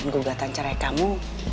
dan gugatan cerai kamu